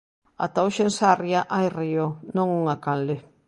Ata hoxe en Sarria hai río, non unha canle.